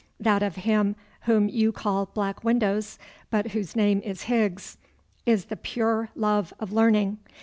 That of him whom you call Black Windows, but whose name is Higgs, is the pure love of learning.